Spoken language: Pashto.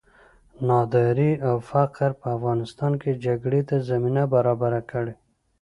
ناداري او فقر په افغانستان کې جګړې ته زمینه برابره کړې.